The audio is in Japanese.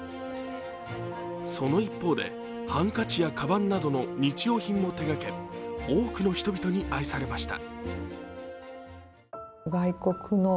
その一方で、ハンカチやかばんなどの日用品も手がけ多くの人々に愛されました。